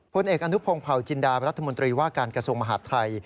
เอกอนุพงศ์เผาจินดารัฐมนตรีว่าการกระทรวงมหาดไทย